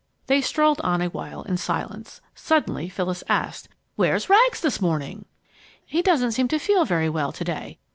They strolled on a while in silence. Suddenly Phyllis asked, "Where's Rags this morning?" "He doesn't seem to feel very well to day.